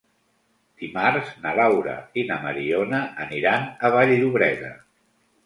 Dimarts na Laura i na Mariona aniran a Vall-llobrega.